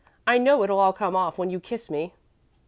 I know it'll all come off when you kiss me."